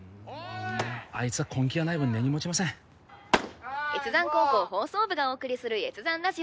あいつは根気がない分根に持ちません越山高校放送部がお送りする越山ラジオ